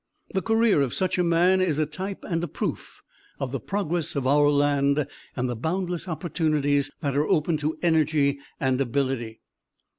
The career of such a man is a type and a proof of the progress of our land and the boundless opportunities that are open to energy and ability.